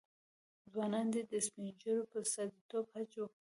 ځوانان دې د سپین ږیرو په استازیتوب حج وکړي.